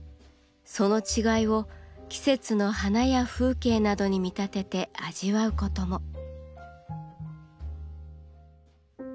その違いを季節の花や風景などに見立てて味わうことも。